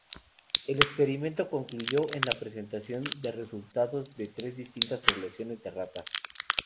El experimento concluyó en la presentación de resultados en tres distintas poblaciones de ratas.